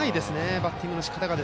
バッティングのしかたが。